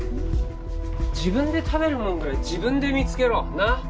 自分で食べるもんぐらい自分で見つけろなっ？